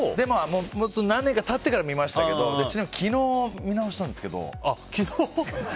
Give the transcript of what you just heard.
何年か経ってから見ましたけどちなみに、昨日見直したんです。